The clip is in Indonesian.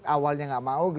awalnya nggak mau